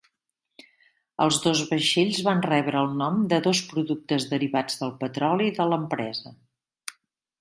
Els dos vaixells van rebre el nom de dos productes derivats del petroli de l'empresa.